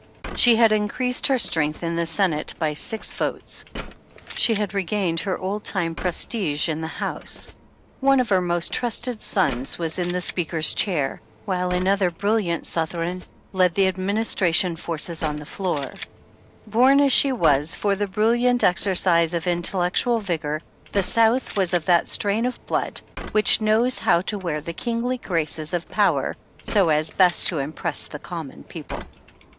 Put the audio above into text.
She had increased her strength in the Senate by six votes ; she had regained her old time prestige in the House ; one of her most trusted sons was in the Speaker's chair, while another brilliant Southron led the administration forces on the floor. Bom as she was for the brilliant exercise of intellectual vigor, the South was of that strain of blood which knows how to wear the kingly graces of power so as best to impress the common people."